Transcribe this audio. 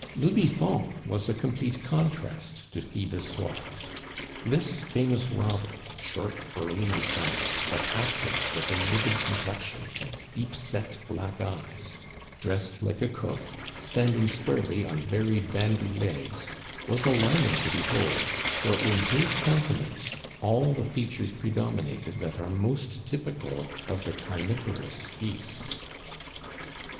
Le Biffon was a complete contrast to Fil de Soie. This famous robber, short, burly, and fat, but active, with a livid complexion, and deep set black eyes, dressed like a cook, standing squarely on very bandy legs, was alarming to behold, for in his countenance all the features predominated that are most typical of the carnivorous beast.